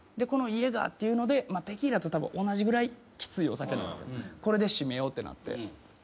このイエーガーっていうのでテキーラとたぶん同じぐらいきついお酒なんですけどこれで締めようってなって。